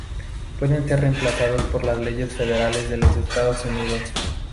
Pueden ser reemplazados por las leyes federales de los Estados Unidos.